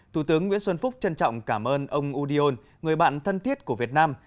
thủ tướng nguyễn xuân phúc trân trọng cảm ơn ông udion người bạn thân thiết của việt nam